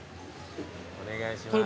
お願いします。